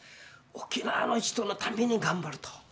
沖縄の人のために頑張ると。